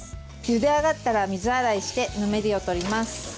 ゆで上がったら水洗いしてぬめりをとります。